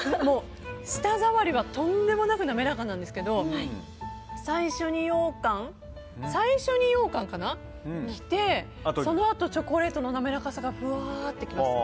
舌触りはとんでもなく滑らかなんですけど最初にようかんが来てそのあとチョコレートの滑らかさがふわっと来ます。